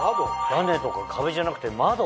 屋根とか壁じゃなくて窓？